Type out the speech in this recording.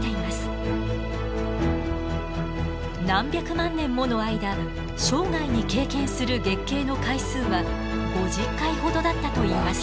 何百万年もの間生涯に経験する月経の回数は５０回ほどだったといいます。